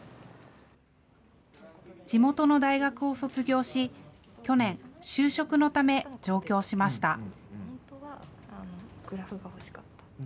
地元の大学を卒業し、去年、就職のため上京しました。